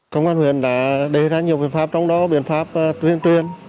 công an huyện đã đề ra nhiều biện pháp trong đó biện pháp tuyên truyền